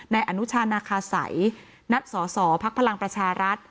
นายอนุชานาคาสัยนัดสอสอพักพลังประชารัฐ